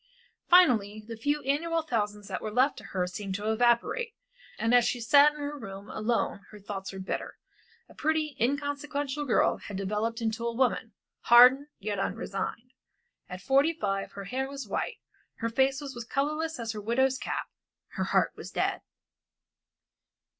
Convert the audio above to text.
Finally, the few annual thousands that were left to her seemed to evaporate, and as she sat in her room alone her thoughts were bitter. The pretty inconsequential girl had developed into a woman, hardened yet unresigned. At forty five her hair was white, her face was colorless as her widow's cap, her heart was dead.